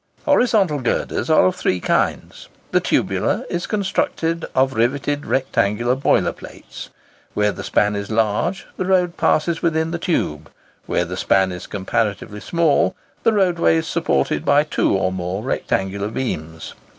Horizontal girders are of three kinds. The Tubular is constructed of riveted rectangular boiler plates. Where the span is large, the road passes within the tube; where the span is comparatively small, the roadway is supported by two or more rectangular beams.